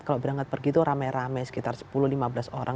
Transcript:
kalau berangkat pergi itu rame rame sekitar sepuluh lima belas orang